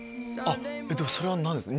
でもそれはなぜですか？